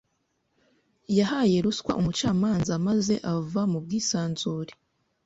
Yahaye ruswa umucamanza maze ava mu bwisanzure.